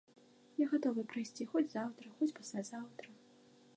Я гатовы прайсці хоць заўтра, хоць паслязаўтра.